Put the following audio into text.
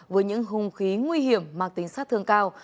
với những hung khí nguy hiểm mang tính sát thương cao